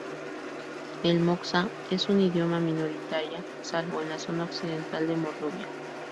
El moksha es un idioma minoritaria, salvo en la zona occidental de Mordovia.